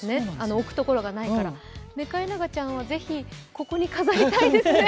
置くところがないから、メカエナガちゃんはぜひここに飾りたいですね。